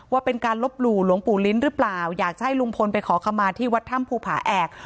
ว่าเป็นการลบหลู่หลวงปู่ลิ้นหรือเปล่าอยากจะให้ลุงพลไปขอคำมาที่วัดถ้ำภูผาแอก